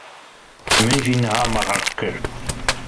Min jî niha meraq kir.